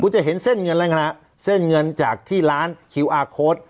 จะเห็นเส้นเงินอะไรกันนะเส้นเงินจากที่ร้านคิวอาร์โค้ด